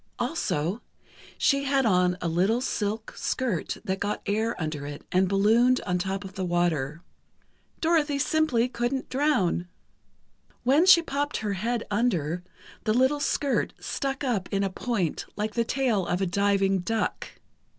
Also, she had on a little silk skirt that got air under it and ballooned on top of the water. Dorothy simply couldn't drown. When she popped her head under, the little skirt stuck up in a point like the tail of a diving duck.